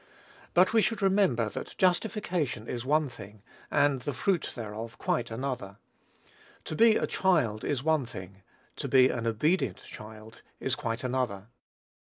But we should remember that justification is one thing, and the fruit thereof quite another. To be a child is one thing, to be an obedient child is quite another.